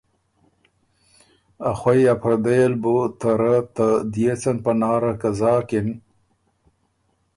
ا خوئ ا پردئ ل بُو ته رۀ ته ديېڅن پناره که زاکِن